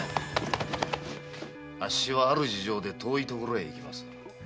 「あっしはある事情で遠いところへ行きます」